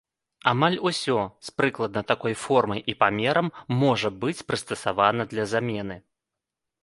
Амаль усё, з прыкладна такой формай і памерам можа быць прыстасавана для замены.